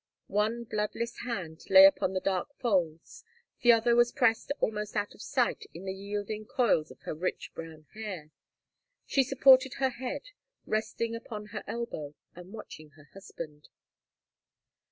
One bloodless hand lay upon the dark folds, the other was pressed almost out of sight in the yielding coils of her rich brown hair; she supported her head, resting upon her elbow, and watching her husband.